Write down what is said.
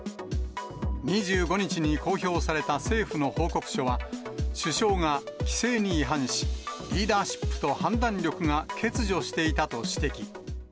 ２５日に公表された政府の報告書は、首相が規制に違反し、リーダーシップと判断力が欠如していたと指摘。